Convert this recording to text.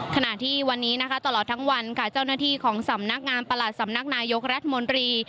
ขณะที่วันนี้นะคะตลอดทั้งวันค่ะเจ้าหน้าที่ของสำนักงานประหลัดสำนักนายกรัฐมนตรี